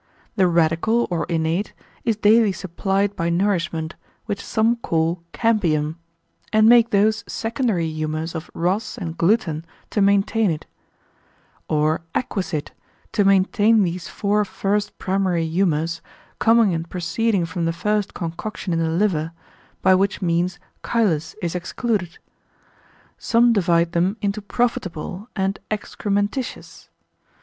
The radical or innate, is daily supplied by nourishment, which some call cambium, and make those secondary humours of ros and gluten to maintain it: or acquisite, to maintain these four first primary humours, coming and proceeding from the first concoction in the liver, by which means chylus is excluded. Some divide them into profitable and excrementitious.